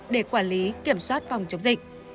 để quản lý kiểm soát phòng chống dịch